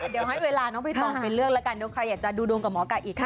เดี๋ยวให้เวลาน้องใบตองไปเลือกแล้วกันเดี๋ยวใครอยากจะดูดวงกับหมอไก่อีกค่ะ